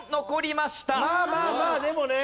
まあまあまあでもね。